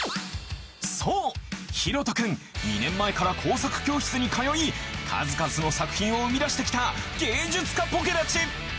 そうひろとくん２年前から工作教室に通い数々の作品を生み出してきた芸術家ポケだち！